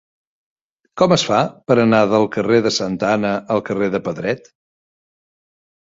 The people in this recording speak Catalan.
Com es fa per anar del carrer de Santa Anna al carrer de Pedret?